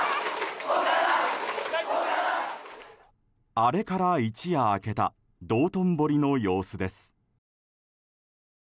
アレから一夜明けた道頓堀の様子です。